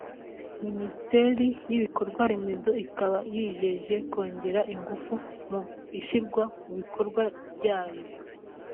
Minisiteri y’ibikorwa Remezo ikaba yijeje kongera ingufu mu ishyirwa mu bikorwa ryayo